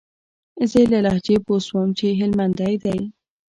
زه يې له لهجې پوه سوم چې هلمندى دى.